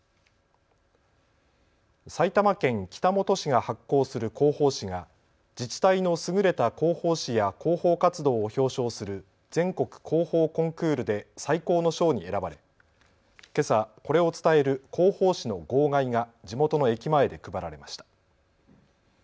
埼玉県北本市が発行する広報紙が自治体の優れた広報紙や広報活動を表彰する全国広報コンクールで最高の賞に選ばれけさ、これを伝える広報紙の号外が地元の駅前で配られました。